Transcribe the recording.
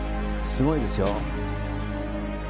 すごいですよ。